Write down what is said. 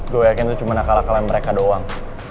gua yakin itu cuma nakal nakalan mereka doang